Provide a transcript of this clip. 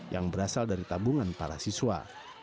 yang berasal dari tabungan para siswa